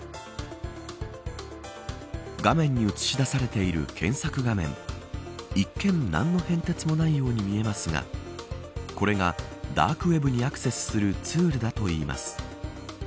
画面に映し出されている検索画面一見、何の変哲もないように見えますがこれがダークウェブにアクセスするツールだといいます。